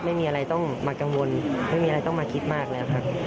ไม่มีอะไรต้องมากังวลไม่มีอะไรต้องมาคิดมากแล้วครับ